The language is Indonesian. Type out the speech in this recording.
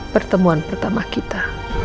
pertemuan pertama kita